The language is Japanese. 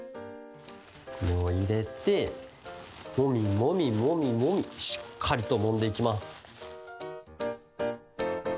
これをいれてもみもみもみもみしっかりともんでいきます。